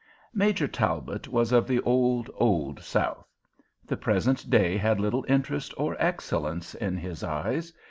Major Talbot was of the old, old South. The present day had little interest or excellence in his eyes.